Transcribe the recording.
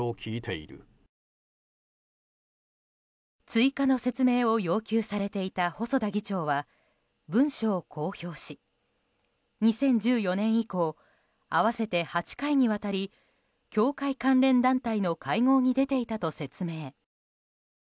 追加の説明を要求されていた細田議長は文書を公表し２０１４年以降合わせて８回にわたり教会関連団体の会合に出ていたと説明。